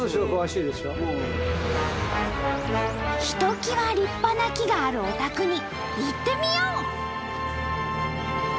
ひときわ立派な木があるお宅に行ってみよう！